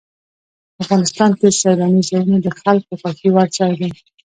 افغانستان کې سیلاني ځایونه د خلکو خوښې وړ ځای دی.